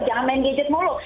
jangan main gadget mulu